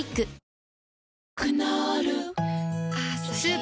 「クノールカップスープ」